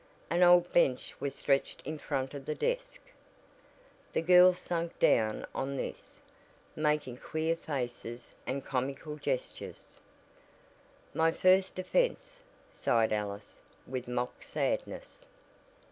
An old bench was stretched in front of the desk. The girls sank down on this, making queer "faces" and comical gestures. "My first offense!" sighed Alice, with mock sadness.